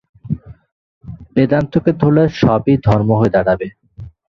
বেদান্তকে ধরলে সবই ধর্ম হয়ে দাঁড়াবে।